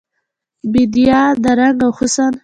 بیدیا د رنګ او حسن